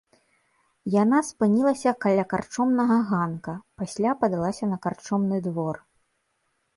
Яна спынілася каля карчомнага ганка, пасля падалася на карчомны двор.